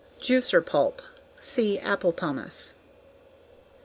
Juicer pulp: See _Apple pomace.